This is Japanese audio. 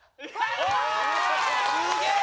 すげえ！